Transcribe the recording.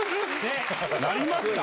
なりますか？